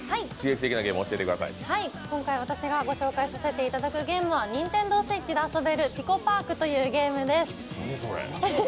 今回私が紹介させていただくゲームはＮｉｎｔｅｎｄｏＳｗｉｔｃｈで遊べる「ＰＩＣＯＰＡＲＫ」というゲームです。